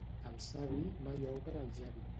El savi mai obre el llavi.